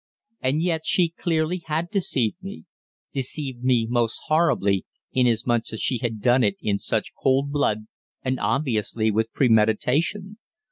And yet she clearly had deceived me, deceived me most horribly, inasmuch as she had done it in such cold blood and obviously with premeditation.